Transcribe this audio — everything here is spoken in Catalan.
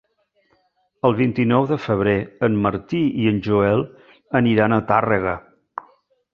El vint-i-nou de febrer en Martí i en Joel aniran a Tàrrega.